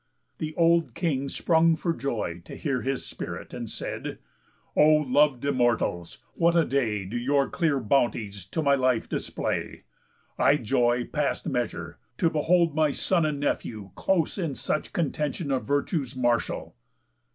The old king sprung for joy to hear his spirit, And said: "O lov'd Immortals, what a day Do your clear bounties to my life display! I joy, past measure, to behold my son And nephew close in such contention Of virtues martial."